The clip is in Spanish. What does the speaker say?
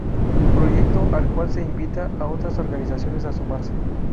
Proyecto al cual se invita a otras organizaciones a sumarse.